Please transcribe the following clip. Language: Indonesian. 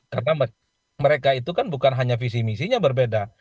karena mereka itu kan bukan hanya visi misinya berbeda